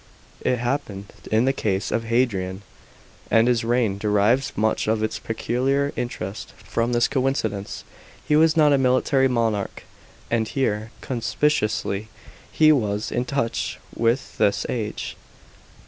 It happened in the case of Hadrian ; and his reign derives much of its peculiar interest from this coincidence. He was not a military monarch ; and here, conspicuously, he was in touch with his age.